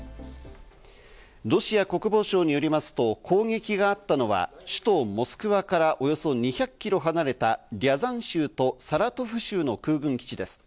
ロシア国防省によりますと攻撃があったのは、首都モスクワからおよそ２００キロ離れたリャザン州とサラトフ州の空軍基地です。